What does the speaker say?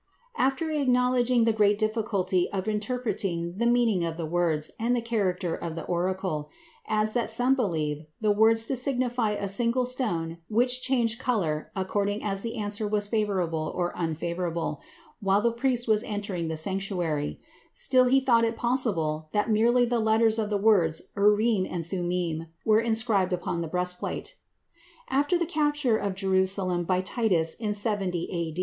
after acknowledging the great difficulty of interpreting the meaning of the words and the character of the oracle, adds that some believed the words to signify a single stone which changed color according as the answer was favorable or unfavorable, while the priest was entering the sanctuary; still he thought it possible that merely the letters of the words Urim and Thummin were inscribed upon the breastplate. After the capture of Jerusalem by Titus in 70 A.